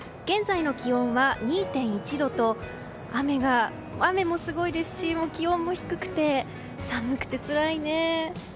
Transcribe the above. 現在の気温は２．１度と雨もすごいですし気温も低くて寒くて、つらいね。